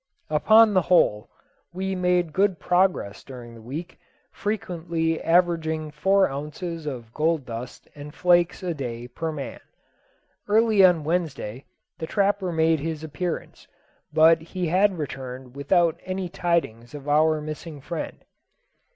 Upon the whole, we made good progress during the week, frequently averaging four ounces of gold dust and flakes a day per man. Early on Wednesday the trapper made his appearance, but he had returned without any tidings of our missing friend.